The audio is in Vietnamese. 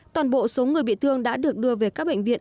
toàn bộ số người bị thương đã được đưa về các bệnh viện